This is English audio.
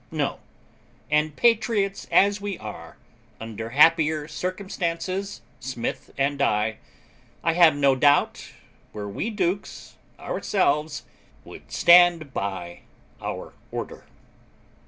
No and patriots as we are, under happier circumstances, Smith and I, I have no doubt, were we dukes ourselves, would stand by our order.